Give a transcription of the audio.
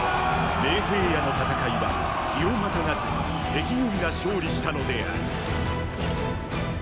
盟平野の戦いは日をまたがずに壁軍が勝利したのである。